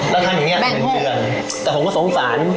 แล้วถ้าไม่ง่ายหนึ่งเดือนแต่ผมก็สงสาร